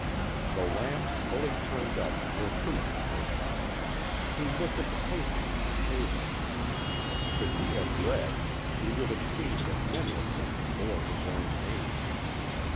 The lamps fully turned up were proof of this. He looked at the papers on the table. Could he have read, he would have seen that many of them bore his own name.